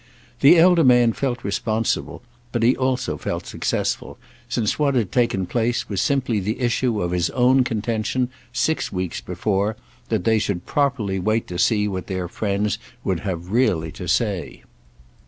The elder man felt responsible, but he also felt successful, since what had taken place was simply the issue of his own contention, six weeks before, that they properly should wait to see what their friends would have really to say.